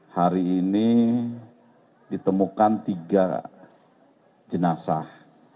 hari ini ditemukan tiga jenazah